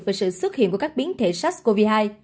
về sự xuất hiện của các biến thể sars cov hai